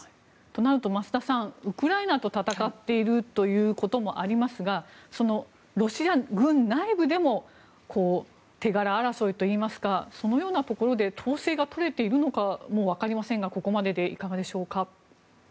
となると、増田さんウクライナと戦っているということもありますがそのロシア軍内部でも手柄争いといいますかそのようなところで統制が取れているのか分かりませんがここまででいかがでしょうか。